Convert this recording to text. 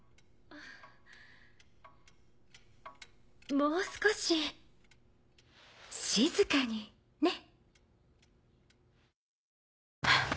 もう少し静かにねっ。